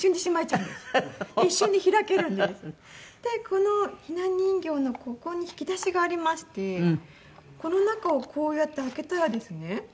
このひな人形のここに引き出しがありましてこの中をこうやって開けたらですね